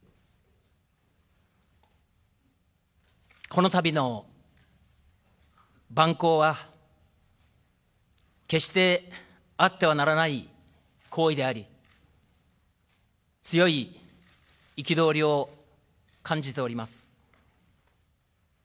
このたびの蛮行は、決してあってはならない行為であり、強い憤りを感じております。